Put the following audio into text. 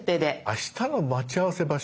あしたの待ち合わせ場所？